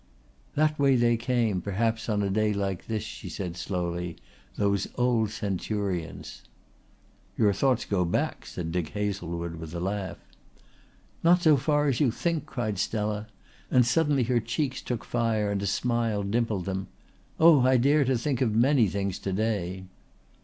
"That way they came, perhaps on a day like this," she said slowly, "those old centurions." "Your thoughts go back," said Dick Hazlewood with a laugh. "Not so far as you think," cried Stella, and suddenly her cheeks took fire and a smile dimpled them. "Oh, I dare to think of many things to day."